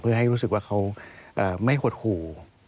เพื่อให้รู้สึกว่าเขาไม่หดหู่